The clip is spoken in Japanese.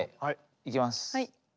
いきます。